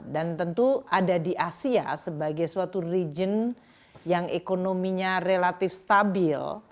dan tentu ada di asia sebagai suatu region yang ekonominya relatif stabil